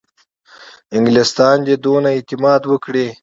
انګلیسیان دي دونه اعتماد وکړي.